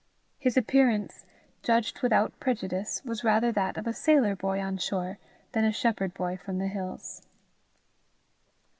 His appearance, judged without prejudice, was rather that of a sailor boy on shore than a shepherd boy from the hills.